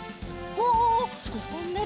おトンネル。